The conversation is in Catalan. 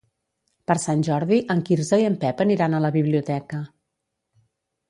Per Sant Jordi en Quirze i en Pep aniran a la biblioteca.